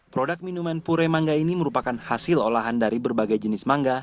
produk minuman pure mangga ini merupakan hasil olahan dari berbagai jenis mangga